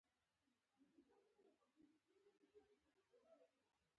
دغې وسیلې خوراکي توکو چمتو کول اسانه کول